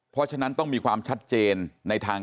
เพราะฉะนั้นต้องมีความชัดเจนในทาง